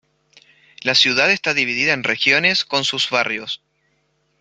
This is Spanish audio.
La ciudad está dividida en regiones con sus barrios.